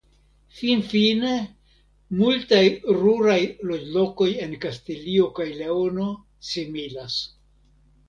Finfine multaj ruraj loĝlokoj en Kastilio kaj Leono similas.